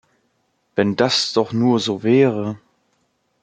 Wenn das doch nur so wäre.